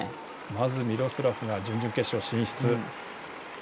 まずミロスラフが準々決勝進出。